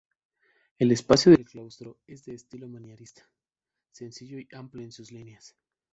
El espacio del claustro es de estilo manierista, sencillo y amplio en sus líneas.